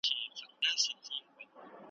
ژوند له دې انګار سره پیوند لري .